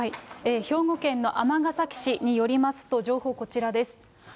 兵庫県の尼崎市によりますと、情報こちらです。